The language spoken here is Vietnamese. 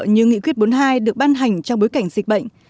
như nghị quyết bốn mươi hai được ban hành trong bối cảnh dịch bệnh